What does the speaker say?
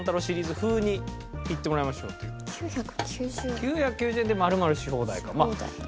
９９０円で○○し放題か。